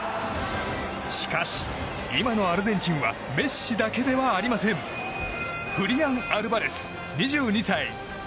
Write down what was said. しかし、今のアルゼンチンはメッシだけではありません。フリアン・アルバレス、２２歳。